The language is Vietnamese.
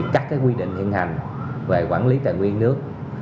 các quy định hiện hành về quản lý tài nguyên nước